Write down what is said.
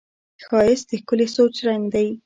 ښایست د ښکلي سوچ رنګ دی